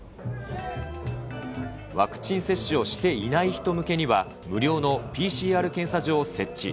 ワクチン接種をしていない人向けには、無料のＰＣＲ検査場を設置。